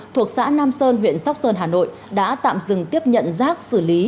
thuộc xã nam sơn huyện sóc sơn hà nội đã tạm dừng tiếp nhận rác xử lý